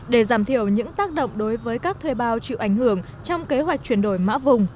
để giảm thiểu những tác động đối với các thuê bao chịu ảnh hưởng trong kế hoạch chuyển đổi mã vùng